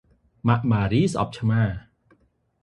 ម៉ាក់ម៉ារី ស្អប់ ឆ្មា ។